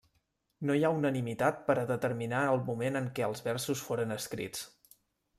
No hi ha unanimitat per a determinar el moment en què els versos foren escrits.